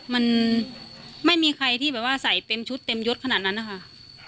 มันไม่มีใครที่ใส่เต็มชุดเต็มยศขนาดนั้นค่ะ